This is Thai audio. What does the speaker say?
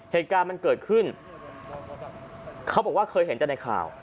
เหตุการณ์มันเกิดขึ้นเขาบอกว่าเคยเห็นแต่ในข่าว